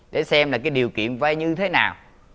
để xem là cái điều kiện vay như thế nào